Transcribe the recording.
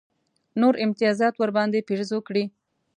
نور امتیازات ورباندې پېرزو کړي.